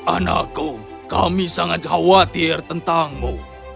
anakku kami sangat khawatir tentangmu